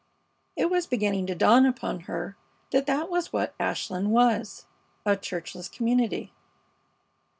It was beginning to dawn upon her that that was what Ashland was a churchless community.